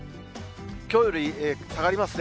きょうより下がりますね。